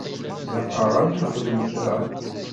Ilaq-aɣ ad nexdem kra.